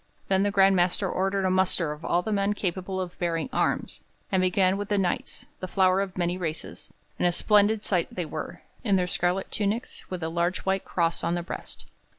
Then the Grand Master ordered a muster of all the men capable of bearing arms, and began with the Knights, the flower of many races; and a splendid sight they were, in their scarlet tunics with a large white cross on the breast.